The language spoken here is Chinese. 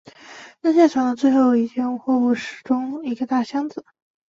扔下船的最后一件货物中是一个大箱子。